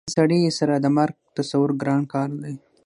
د داسې سړي سره د مرګ تصور ګران کار دی